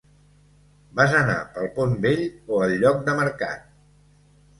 Vas anar pel pont vell, o el lloc de mercat?